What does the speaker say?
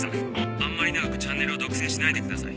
あんまり長くチャンネルを独占しないでください。